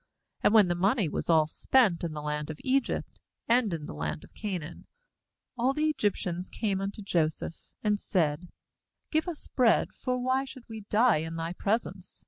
15And when the money was ^all spent in the knd of Egypt, and in the land of Canaan, all the Egyptians came unto Joseph, and said: 'Give us bread; for why should we die in thy presence?